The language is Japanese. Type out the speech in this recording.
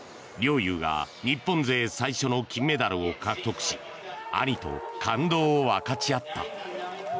陵侑が日本勢最初の金メダルを獲得し兄と感動を分かち合った。